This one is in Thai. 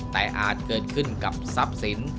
แต่อาจเกิดขึ้นกับทรัพย์สิน